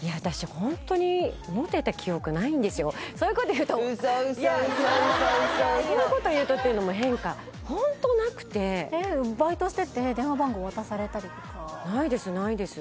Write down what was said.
ホントにそういうこと言うと嘘嘘嘘嘘嘘嘘そういうこと言うとっていうのも変かホントなくてバイトしてて電話番号渡されたりとかないですないです